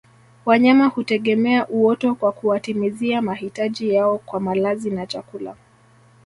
Wanyama hutegemea uoto kwa kuwatimizia mahitaji yao kwa malazi na chakula